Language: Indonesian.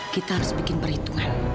kita harus bikin perhitungan